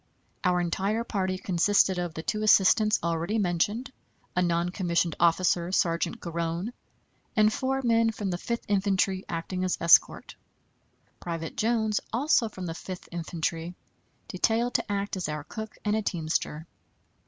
Our entire party consisted of the two assistants already mentioned, a non commissioned officer, Sergeant Garone, and four men from the Fifth Infantry acting as escort; Private Jones, also from the Fifth Infantry, detailed to act as our cook, and a teamster.